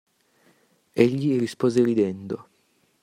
Egli rispose ridendo.